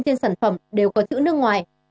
trên sản phẩm đều có chữ nước ngoài